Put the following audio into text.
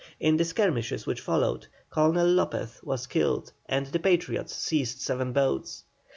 In the skirmishes which followed, Colonel Lopez was killed and the Patriots seized seven boats.